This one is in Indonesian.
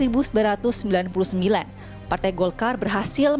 partai golkar berhasil mencari pemerintah yang berharga